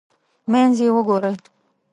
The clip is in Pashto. منځ یې وګورئ.